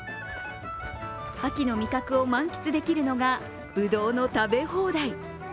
秋の味覚を満喫できるのが、ぶどうの食べ放題。